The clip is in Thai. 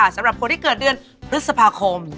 สำหรับคนที่เกิดเดือนพฤษภาคม